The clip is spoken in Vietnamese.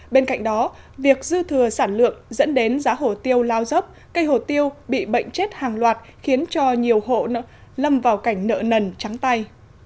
bên cạnh đó việc dư thừa sản lượng dẫn đến giá hổ tiêu lao dốc cây hổ tiêu bị bệnh chết hàng loạt khiến cho nhiều hộ lâm vào cảnh nợ nần trắng tay